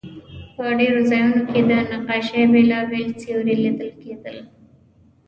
په ډېرو ځایونو کې د نقاشۍ بېلابېل سیوري لیدل کېدل.